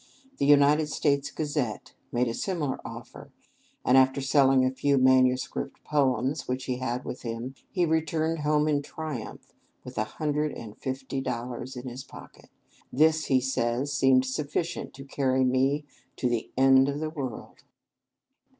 The "United States Gazette" made a similar offer, and, after selling a few manuscript poems which he had with him, he returned home in triumph, with a hundred and forty dollars in his pocket! "This," he says, "seemed sufficient to carry me to the end of the world."